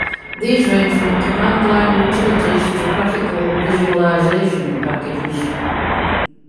These range from command line utilities to graphical visualisation packages.